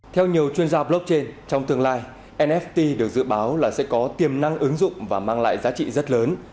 theo nhiều chuyên gia blockchain trong tương lai nft được dự báo là sẽ có tiềm năng ứng dụng và mang lại giá trị rất lớn